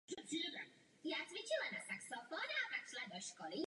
Zároveň se prudce stáčí k severu a pak obloukem opět míří k západu.